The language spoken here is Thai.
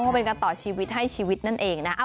เป็นการต่อชีวิตให้ชีวิตนั่นเองนะ